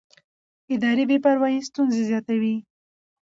اداري بې پروایي ستونزې زیاتوي